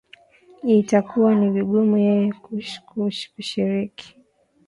i itakuwa ni vigumu yeye kush ku kushiriki